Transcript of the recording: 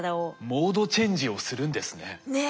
モードチェンジをするんですね。ね。